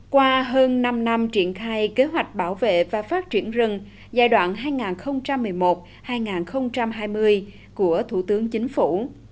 qua hơn năm năm triển khai kế hoạch bảo vệ và phát triển rừng giai đoạn hai nghìn một mươi một hai nghìn hai mươi của thủ tướng chính phủ